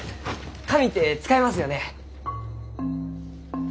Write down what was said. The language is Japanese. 紙って使いますよね。